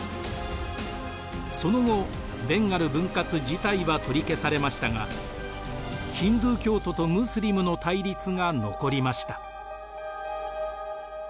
その後ベンガル分割自体は取り消されましたがヒンドゥー教徒とムスリムの対立が残りました。